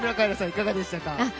いかがでしたか？